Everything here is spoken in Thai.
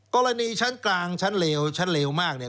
กรณีชั้นกลางชั้นเลวชั้นเลวมากเนี่ย